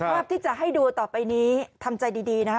ภาพที่จะให้ดูต่อไปนี้ทำใจดีนะคะ